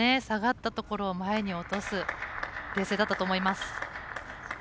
下がったところを前に落とす。